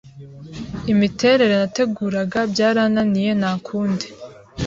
imiterere nateguragabyarananiranye nta kundi